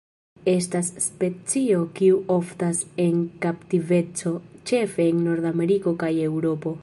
Estas specio kiu oftas en kaptiveco ĉefe en Nordameriko kaj Eŭropo.